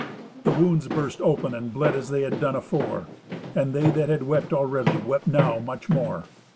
The wounds burst open and bled as they had done afore; and they that had wept already wept now much more.